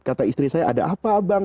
kata istri saya ada apa abang